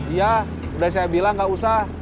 iya udah saya bilang gak usah